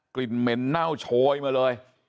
กลิ่นเหม็นเน่าโชยมาเลย